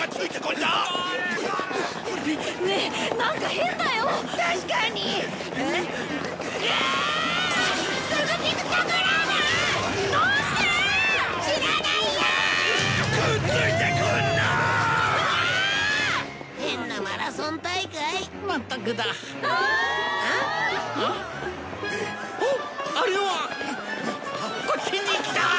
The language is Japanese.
こっちに来た！